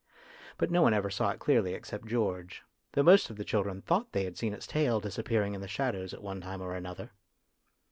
But no one ever saw it clearly except George, though most of the children thought they had seen its tail dis appearing in the shadows at one time or another.